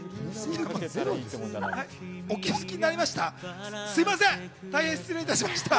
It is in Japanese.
お気づきになりました？